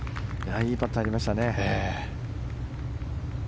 いいパットが入りました。